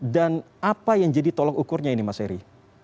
dan apa yang jadi tolong ukurnya ini mas heri